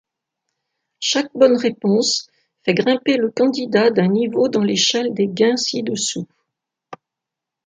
Chaque bonne réponse fait grimper le candidat d'un niveau dans l'échelle des gains ci-dessous.